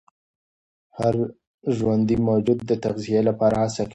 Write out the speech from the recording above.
هر ژوندي موجود د تغذیې لپاره هڅه کوي.